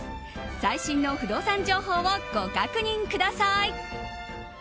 最新の不動産情報をご確認ください。